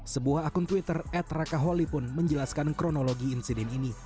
sebuah akun twitter ad raka holi pun menjelaskan kronologi insiden ini